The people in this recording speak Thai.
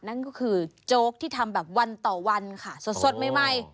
นั่นก็คือโจ๊กที่ทำแบบวันต่อวันค่ะสดใหม่